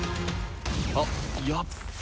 あっやっべ！